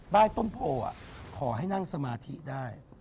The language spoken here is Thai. ใต้ต้นโพขอให้นั่งสมาธิได้